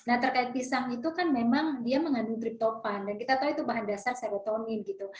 nah terkait pisang itu kan memang dia mengandung driptofan dan kita tahu itu bahan dasar serotonin gitu